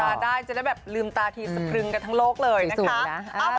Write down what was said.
ได้จะได้แบบลืมตาทีสะพรึงกันทั้งโลกเลยนะคะ